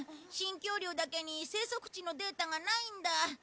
新恐竜だけに生息地のデータがないんだ。